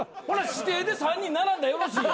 指定で３人並んだらよろしいやん。